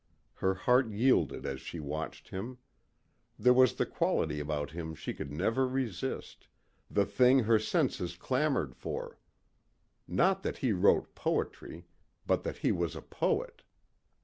Her heart yielded as she watched him. There was the quality about him she could never resist, the thing her senses clamored for. Not that he wrote poetry but that he was a poet.